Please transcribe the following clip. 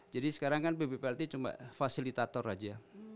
jadi sekarang kan pb plt cuma fasilitator aja